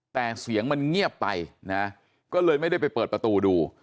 แต่เสียงมันเงียบไปนะก็เลยไม่ได้ไปเปิดประตูดู